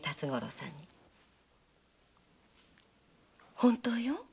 本当よ。